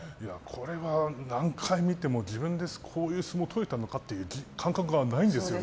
これは何回見ても自分でこういう相撲を取れたのか感覚がないんですよね。